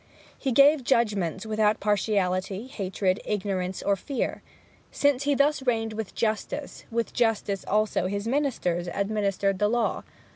He gave judgments without partiality, hatred, ignorance, or fear. Since he thus reigned with justice, with justice also his ministers administered the law.